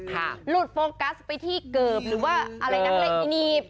หลุดโฟกัสไปที่เกิบหรือว่าอีนีบ